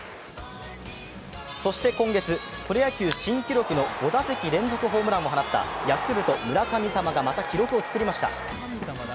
そして今月、プロ野球新記録の５打席連続ホームランを放ったヤクルト・村神様がまた記録を作りました。